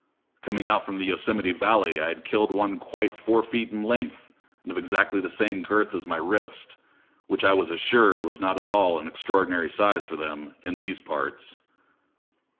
Coming out from the Yosemite Valley, I had killed one quite four feet in length and of exactly the same girth as my wrist, which I was assured was not at all an extraordinary size for them "in these parts."